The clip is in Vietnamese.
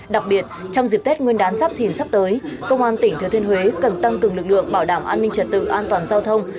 đặc biệt trong dịp tết nguyên đán giáp thìn sắp tới công an tỉnh thừa thiên huế cần tăng cường lực lượng bảo đảm an ninh trật tự an toàn giao thông